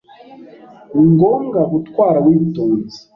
Ni ngombwa gutwara witonze.